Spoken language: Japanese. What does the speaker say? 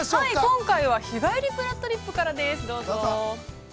◆今回は「日帰りぷらっとりっぷ」からです。どうぞ。